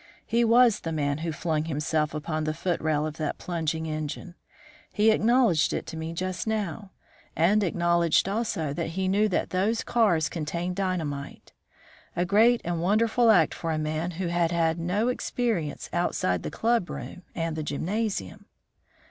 He was the man who flung himself upon the foot rail of that plunging engine. He acknowledged it to me just now, and acknowledged, also, that he knew that those cars contained dynamite. A great and wonderful act for a man who had had no experience outside the club room and the gymnasium."